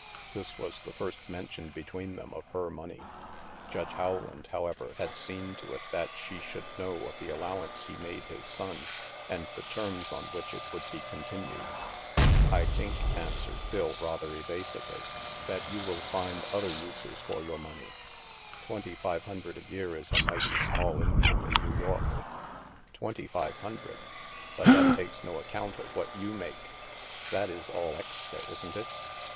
This was the first mention between them of her money. Judge Howland, however, had seen to it that she should know of the allowance he made his son, and the terms on which it would.be continued. " I think," answered Phil, rather evasively, " that 126 THE MASK you will find other uses for your money. Twenty five hundred a year is a mighty small income in New York." *' Twenty five hundred ? But that takes no ac count of what you make. That is all extra, isn't it?